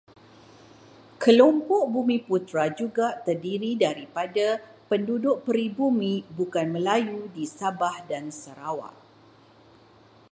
Kelompok bumiputera juga terdiri daripada penduduk peribumi bukan Melayu di Sabah dan Sarawak.